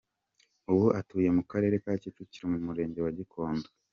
Ubu atuye mu karere ka Kicukiro mu murenge wa Gikondo.